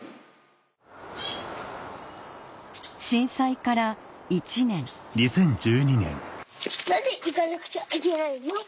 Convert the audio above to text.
震災から１年何で行かなくちゃいけないの？